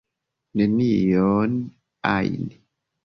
"Nenion ajn."